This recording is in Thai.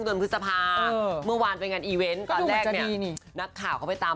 ก็สัมภาษณ์ก่อนงานเริ่ม